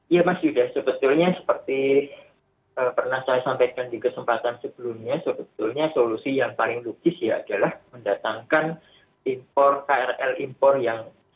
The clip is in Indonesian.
iya mas yuda sebetulnya seperti pernah saya sampaikan di kesempatan sebelumnya sebetulnya solusi yang paling lukis ya adalah mendatangkan impor krl impor yang